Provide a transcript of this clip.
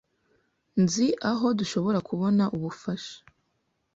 Nzi aho dushobora kubona ubufasha.